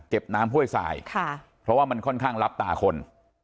น้ำห้วยสายค่ะเพราะว่ามันค่อนข้างลับตาคน